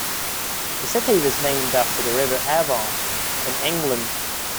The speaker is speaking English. The city was named after the River Avon, in England.